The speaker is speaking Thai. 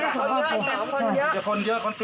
แต่เขาสิบคนเยอะไง